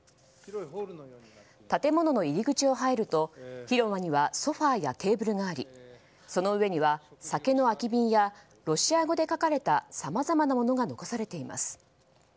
建物の入り口を入ると広場にはソファやテーブルがありその上には酒の空き瓶やロシア語で書かれたさまざまなものが残されています。